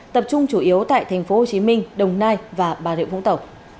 tập trung chủ yếu tại tp hcm đồng nai và bà rịa vũng tàu